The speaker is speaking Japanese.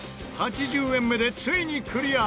８０円目でついにクリア！